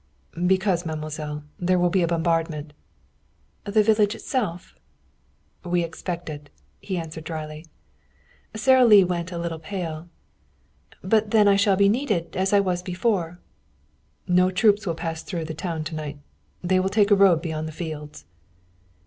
"Because, mademoiselle, there will be a bombardment." "The village itself?" "We expect it," he answered dryly. Sara Lee went a little pale. "But then I shall be needed, as I was before." "No troops will pass through the town to night. They will take a road beyond the fields."